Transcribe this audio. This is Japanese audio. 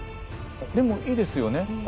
でもいいですよね。